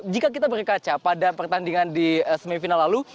jika kita berkaca pada pertandingan di semifinal lalu